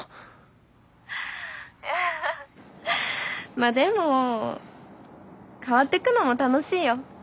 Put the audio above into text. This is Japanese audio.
まっでも変わっていくのも楽しいよ。